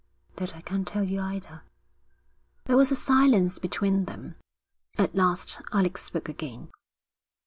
'That I can't tell you either.' There was a silence between them. At last Alec spoke again.